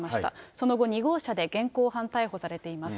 その後、２号車で現行犯逮捕されています。